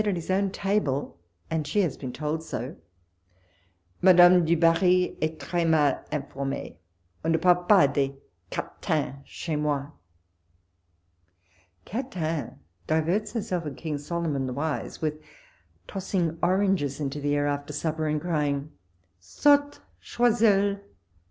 said at his own table, and she has been told so, " Madame du Barri est tres mal informee on iie parle pas des Catins chez raoi." Catin diverts herself and King Solomon the wise with tossing oranges into the air after supper, and crying, ''Saute, Choiscul!